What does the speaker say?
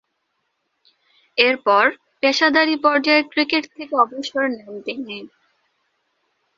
এরপর, পেশাদারী পর্যায়ের ক্রিকেট থেকে অবসর নেন তিনি।